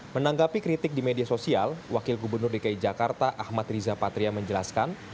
menanggapi kritik di media sosial wakil gubernur dki jakarta ahmad riza patria menjelaskan